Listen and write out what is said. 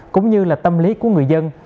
cũng như là tâm lý của người dân